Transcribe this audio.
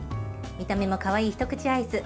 見た目もかわいい一口アイス